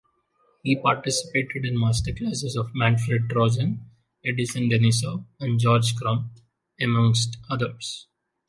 He participated in masterclasses of Manfred Trojahn, Edison Denisov and George Crumb, amongst others.